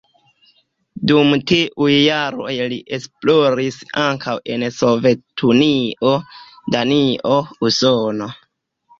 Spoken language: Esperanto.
Dum tiuj jaroj li esploris ankaŭ en Sovetunio, Danio, Usono.